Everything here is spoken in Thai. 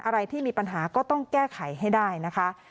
อะไรที่มีปัญหาก็ต้องแก้ไขให้ได้นะคะ